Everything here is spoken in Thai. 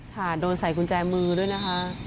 ค่ะโดนใส่กุญแจมือด้วยนะคะ